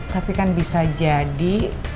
tapi kan bisa jadi